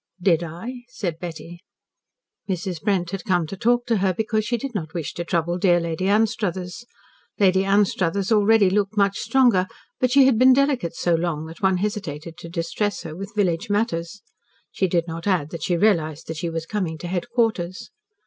"Did I?" said Betty. Mrs. Brent had come to talk to her because she did not wish to trouble dear Lady Anstruthers. Lady Anstruthers already looked much stronger, but she had been delicate so long that one hesitated to distress her with village matters. She did not add that she realised that she was coming to headquarters.